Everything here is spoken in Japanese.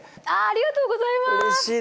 ありがとうございます。